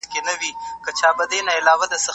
څه ډول پانګونه د ترانسپورت سکتور ته وده ورکوي؟